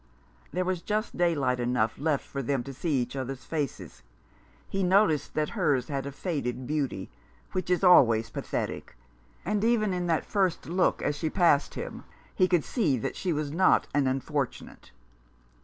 There was just daylight enough left for them to see each other's faces. He noticed that hers had a faded beauty, which is always pathetic ; and even in that first look as she passed him he could see that she was not an "unfortunate."